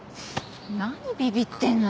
何ビビってんのよ。